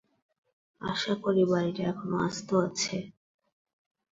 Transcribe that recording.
আশা করি বাড়িটা এখনো আস্ত আছে।